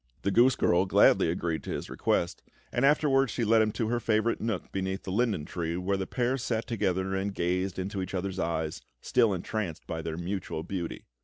The goose girl gladly agreed to his request; and afterwards she led him to her favourite nook beneath the linden tree, where the pair sat together and gazed into each other's eyes, still entranced by their mutual beauty.